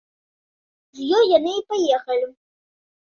З ёй яны і паехалі.